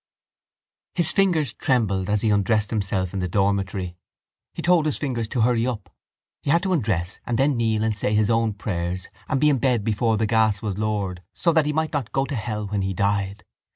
His fingers trembled as he undressed himself in the dormitory. He told his fingers to hurry up. He had to undress and then kneel and say his own prayers and be in bed before the gas was lowered so that he might not go to hell when he died.